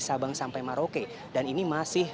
sabang sampai maroke dan ini masih